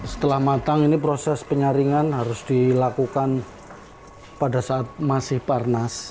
setelah matang ini proses penyaringan harus dilakukan pada saat masih parnas